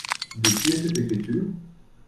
De qui est cette écriture ?